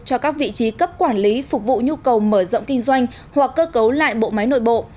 cho các vị trí cấp quản lý phục vụ nhu cầu mở rộng kinh doanh hoặc cơ cấu lại bộ máy nội bộ